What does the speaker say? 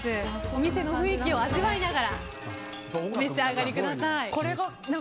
お店の雰囲気を味わいながらお召し上がりください。